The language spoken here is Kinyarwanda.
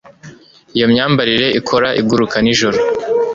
Iyo myambarire ikora igurukanijoro